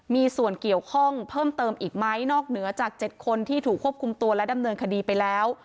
มีส่วนเกี่ยวข้องเพิ่มเติมอีกไหมนอกเหนือจาก๗คนที่ถูกควบคุมตัวและดำเนินคดีไปแล้ว